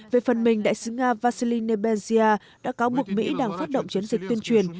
về phần mình đại sứ nga vasily nebezia đã cáo mục mỹ đang phát động chiến dịch tuyên truyền